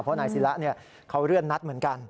เพราะนายศิระเขาเลื่อนนัดเหมือนกัน